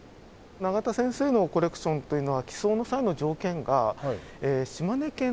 永田先生のコレクションというのは寄贈の際の条件が島根県でしか。